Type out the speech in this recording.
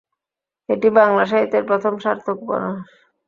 এটি বাংলা সাহিত্যের প্রথম সার্থক উপন্যাস।